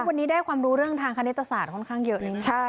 วันนี้ได้ความรู้เรื่องทางคณิตศาสตร์ค่อนข้างเยอะนะครับ